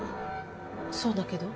そうだけど。